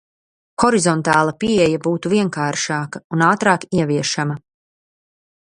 Horizontāla pieeja būtu vienkāršāka un ātrāk ieviešama.